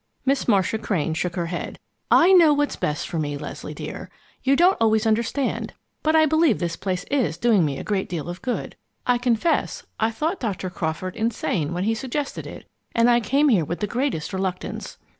Miss Marcia Crane shook her head. "I know what is best for me, Leslie dear. You don't always understand. But I believe this place is doing me a great deal of good. I confess, I thought Dr. Crawford insane when he suggested it, and I came here with the greatest reluctance.